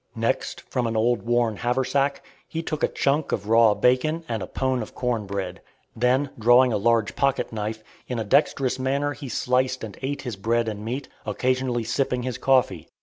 Next, from an old worn haversack, he took a "chunk" of raw bacon and a "pone" of corn bread. Then, drawing a large pocket knife, in a dexterous manner he sliced and ate his bread and meat, occasionally sipping his coffee.